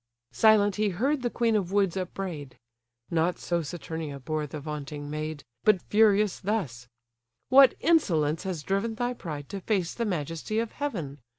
Silent he heard the queen of woods upbraid: Not so Saturnia bore the vaunting maid: But furious thus: "What insolence has driven Thy pride to face the majesty of heaven?